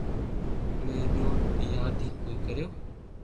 ويوي گيو ياد ھي ڪوئي ڪريو